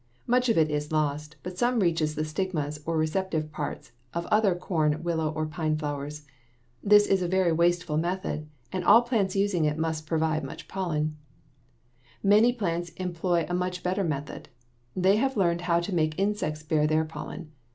Much of it is lost, but some reaches the stigmas, or receptive parts, of other corn, willow, or pine flowers. This is a very wasteful method, and all plants using it must provide much pollen. Many plants employ a much better method. They have learned how to make insects bear their pollen.